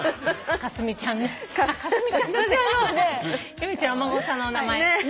由美ちゃんのお孫さんのお名前。